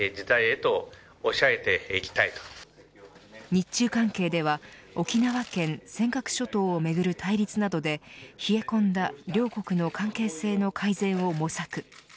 日中関係では沖縄県尖閣諸島をめぐる対立などで冷え込んだ両国の関係性の改善を模索。